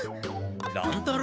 乱太郎？